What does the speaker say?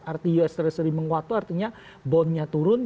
artinya us treasury menguat itu artinya bondnya turun